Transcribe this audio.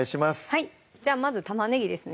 はいじゃあまず玉ねぎですね